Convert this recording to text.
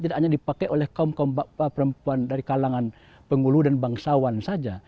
tidak hanya dipakai oleh kaum kaum perempuan dari kalangan penghulu dan bangsawan saja